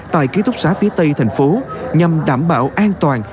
tại ký túc xá phía tây thành phố nhằm đảm bảo an toàn